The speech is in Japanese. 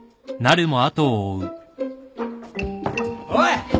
・おい！